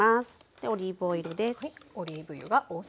でオリーブオイルです。